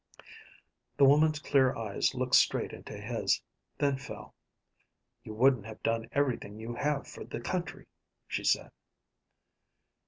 The woman's clear eyes looked straight into his; then fell. "You wouldn't have done everything you have for the country," she said.